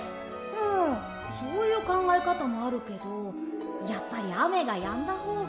んそういうかんがえかたもあるけどやっぱりあめがやんだほうが。